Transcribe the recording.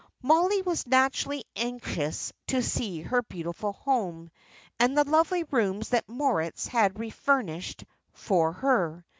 Mollie was naturally anxious to see her beautiful home, and the lovely rooms that Moritz had refurnished for her.